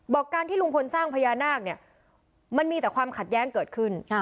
การที่ลุงพลสร้างพญานาคเนี่ยมันมีแต่ความขัดแย้งเกิดขึ้น